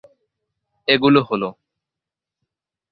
এগুলো হল-